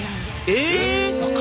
え！